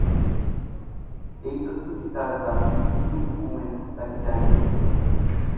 এই তথ্যটি তার দাদি টুইন ওমেন তাকে জানিয়েছিলেন।